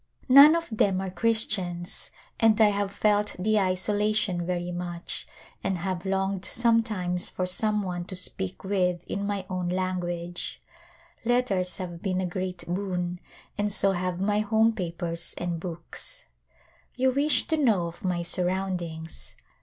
None (i. A Royal Wedding of them are Christians and I have felt the isolation very much and have longed sometimes for some one to speak with in my own language. Letters have been a great boon and so have my home papers and books. You wish to know of my surroundings.